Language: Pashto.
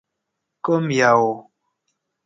_کوم يو؟